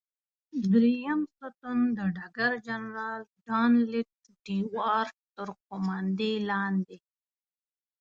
دریم ستون د ډګر جنرال ډانلډ سټیوارټ تر قوماندې لاندې.